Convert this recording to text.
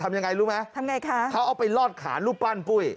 ยังไงรู้ไหมทำไงคะเขาเอาไปลอดขารูปปั้นปุ้ย